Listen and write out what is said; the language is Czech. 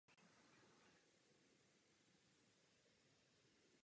Je prvním singlem z tohoto alba.